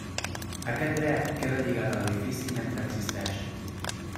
Aquest dret queda lligat a l'edifici mentre existeix.